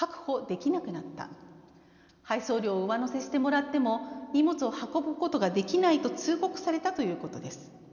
配送料を上乗せしてもらっても荷物を運ぶことができないと通告されたということです。